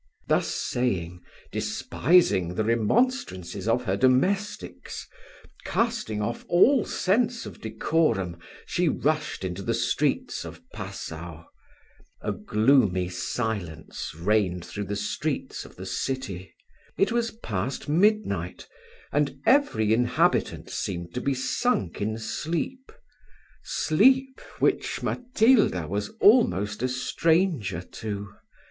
Thus saying, despising the remonstrances of her domestics, casting off all sense of decorum, she rushed into the streets of Passau. A gloomy silence reigned through the streets of the city; it was past midnight, and every inhabitant seemed to be sunk in sleep sleep which Matilda was almost a stranger to.